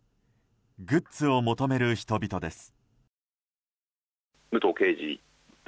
グッズを求める人々です。